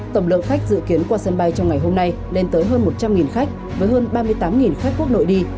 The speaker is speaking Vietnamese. tổng lượng khách dự kiến qua sân bay trong ngày hôm nay lên tới hơn một trăm linh khách với hơn ba mươi tám khách quốc nội đi